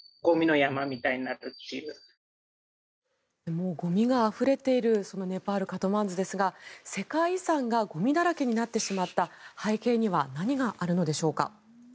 もうゴミがあふれているそのネパール・カトマンズですが世界遺産がゴミだらけになってしまった背景には何があるのでしょうか。